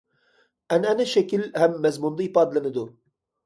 ئەنئەنە شەكىل ھەم مەزمۇندا ئىپادىلىنىدۇ.